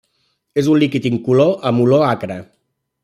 És un líquid incolor amb olor acre.